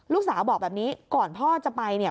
ลูกสาวบอกแบบนี้ก่อนพ่อจะไปเนี่ย